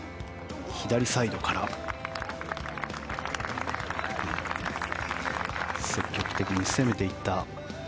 左サイドから積極的に攻めていった。